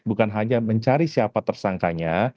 bukan hanya mencari siapa tersangkanya